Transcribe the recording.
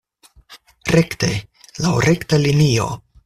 Rekte, laŭ rekta linio.